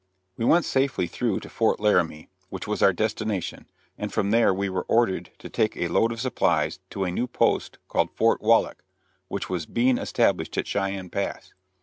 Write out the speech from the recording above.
We went safely through to Fort Laramie, which was our destination, and from there we were ordered to take a load of supplies to a new post called Fort Wallach, which was being established at Cheyenne Pass.